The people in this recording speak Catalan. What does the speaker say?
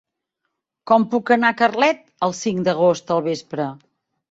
Com puc anar a Carlet el cinc d'agost al vespre?